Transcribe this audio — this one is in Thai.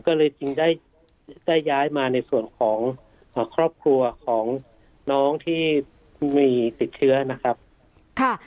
ก็เลยจึงได้ได้ย้ายมาในส่วนของครอบครัวของน้องที่มีติดเชื้อนะครับค่ะ